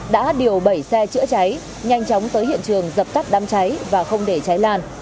đã điều bảy xe chữa cháy nhanh chóng tới hiện trường dập tắt đám cháy và không để cháy lan